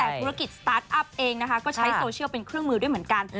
แต่ธุรกิจสตาร์ทอัพเองนะคะก็ใช้โซเชียลเป็นเครื่องมือด้วยเหมือนกัน